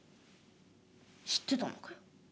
「知ってたのかよ。